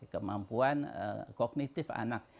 kemampuan kognitif anak